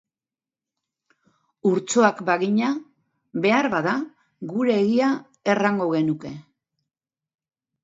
Urtxoak bagina, behar bada, gure egia errango genuke.